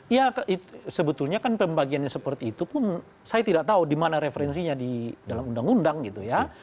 ya sebetulnya kan pembagiannya seperti itu pun saya tidak tahu di mana referensinya di dalam undang undang gitu ya